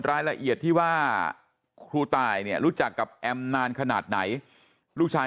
รายละเอียดที่ว่าครูตายเนี่ยรู้จักกับแอมนานขนาดไหนลูกชาย